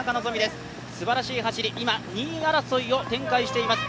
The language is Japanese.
すばらしい走り、今２位争いを展開しています。